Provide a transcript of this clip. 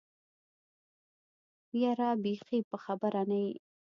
يره بېخي په خبره نه يې.